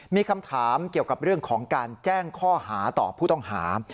มีคำถามเกี่ยวกับเรื่องของการแจ้งข้อหาต่อผู้ต้องหา